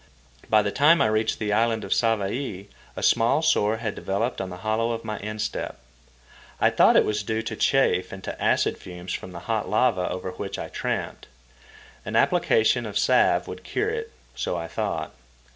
By the time I reached the island of Savaii, a small sore had developed on the hollow of my instep. I thought it was due to chafe and to acid fumes from the hot lava over which I tramped. An application of salve would cure it—so I thought.